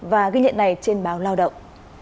và ghi nhận này trên báo lao động